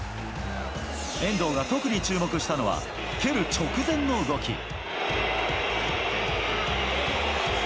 遠藤が特に注目したのは、蹴る直前の動き。